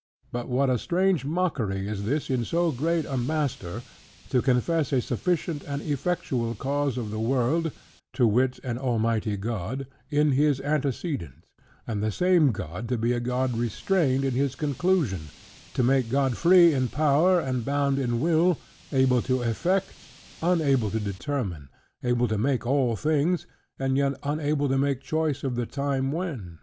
But what a strange mockery is this in so great a master, to confess a sufficient and effectual cause of the world, (to wit, an almighty God) in his antecedent; and the same God to be a God restrained in his conclusion; to make God free in power, and bound in will; able to effect, unable to determine; able to make all things, and yet unable to make choice of the time when?